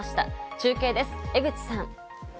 中継です、江口さん。